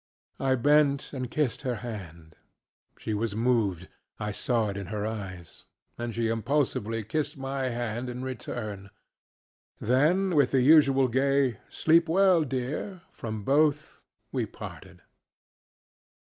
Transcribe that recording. ŌĆØ I bent and kissed her hand. She was movedŌĆöI saw it in her eyesŌĆöand she impulsively kissed my hand in return. Then with the usual gay ŌĆ£Sleep well, dear! ŌĆØ from both, we parted.